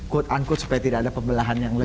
quote unquote supaya tidak ada pembelahan yang lebih